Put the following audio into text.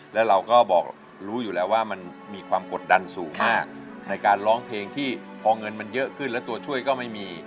แล้วเราก็บอกรู้อยู่แล้วว่ามันมีความกดดันสูงมากในการร้องเพลงที่พอเงินมันเยอะขึ้นแล้วตัวช่วยก็ไม่มี